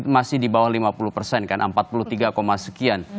masih di bawah lima puluh persen kan empat puluh tiga sekian